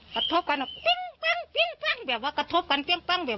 กระทบกันแบบว่ากระทบกันแบบนี้